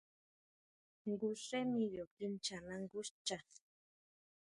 Jngu xé miyo kinchana nguxcha.